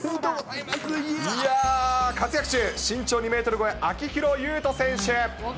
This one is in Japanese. いや、活躍中、身長２メートル超え、秋広優人選手。